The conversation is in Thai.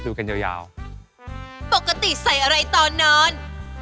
ปลกติใส่อะไรตอนนอน